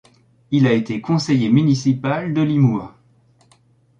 Il a été conseiller municipal de Limours.